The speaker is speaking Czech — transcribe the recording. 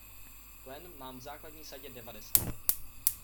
Plen mám v základní sadě devadesát.